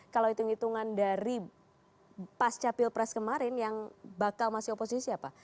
kalau hitung hitungan dari pasca pilpres kemarin yang bakal masih oposisi apa